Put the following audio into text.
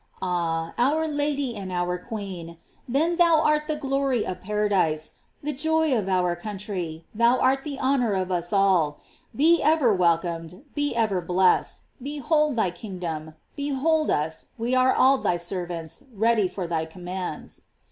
"* Ah! our Lady and our queen, then thou art the glory of paradise, the joy of our country, thou art the honor of us all; be ever welcome, be ever blessed; behold thy kingdom, behold us, we are all thy servants, ready for thy commands.